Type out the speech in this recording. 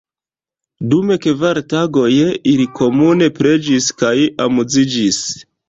Dum kvar tagoj ili komune preĝis kaj amuziĝis.